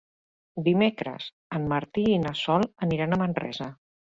Dimecres en Martí i na Sol aniran a Manresa.